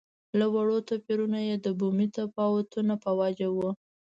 له وړو توپیرونو چې د بومي تفاوتونو په وجه وو.